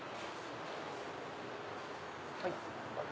はい。